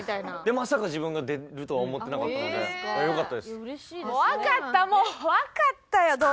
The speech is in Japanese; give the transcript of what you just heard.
まさか自分が出れるとは思ってなかったのでよかったです。